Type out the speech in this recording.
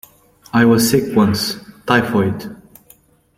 I was sick once -- typhoid.